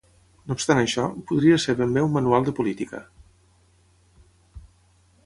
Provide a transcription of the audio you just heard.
No obstant això, podria ser ben bé un manual de política.